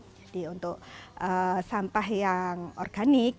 jadi untuk sampah yang organik